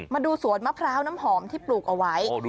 มาดูสวนมะพร้าวน้ำหอมที่ปลูกเอาไว้